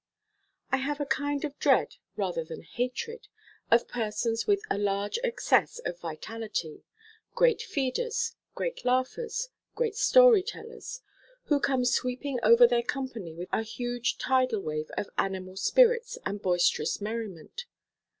I have a kind of dread, rather than hatred, of persons with a large excess of vitality great feeders, great laughers, great story tellers, who come sweeping over their company with a huge tidal wave of animal spirits and boisterous merriment.